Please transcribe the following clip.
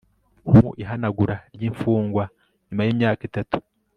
mu ihanagura ryimfungwa nyuma yimyaka itatu